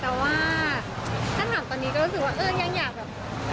แต่ว่าถ้าถามตอนนี้ก็รู้สึกว่าเออยังอยากแบบ